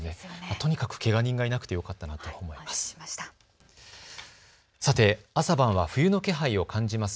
とにかくけが人がいなくてよかったなと思います。